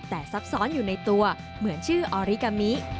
แต่ซับซ้อนอยู่ในตัวเหมือนชื่อออริกามิ